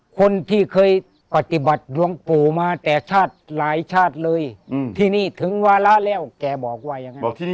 คนที่เคยปฏิบัติหลวงปู่มาแต่ชาติหลายชาติเลย